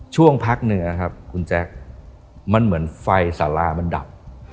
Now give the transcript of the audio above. ช่วงพัคนึงนะครับมันเหมือนไฟสลามันดับ